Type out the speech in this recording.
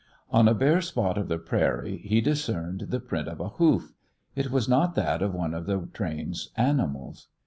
On a bare spot of the prairie he discerned the print of a hoof. It was not that of one of the train's animals.